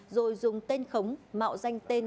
rồi dùng tên khống mạo danh tên